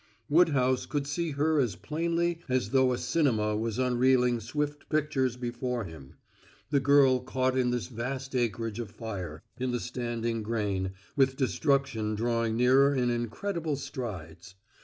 Woodhouse could see her as plainly as though a cinema was unreeling swift pictures before him the girl caught in this vast acreage of fire, in the standing grain, with destruction drawing nearer in incredible strides.